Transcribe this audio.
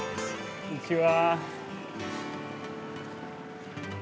こんにちは。